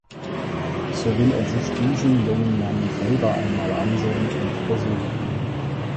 So will er sich diesen jungen Mann selber einmal ansehen und besucht ihn.